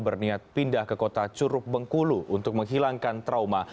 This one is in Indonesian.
berniat pindah ke kota curug bengkulu untuk menghilangkan trauma